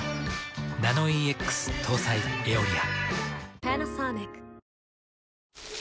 ナノイーＸ搭載「エオリア」。